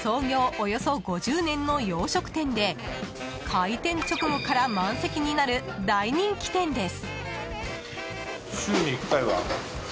およそ５０年の洋食店で開店直後から満席になる大人気店です。